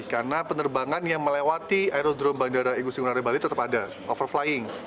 karena penerbangan yang melewati aerodrome bandara igusti ngurah rai bali tetap ada overflying